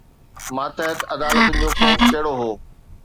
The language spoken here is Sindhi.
ماتحت عدالتن جو خوف ڪهڙو هو؟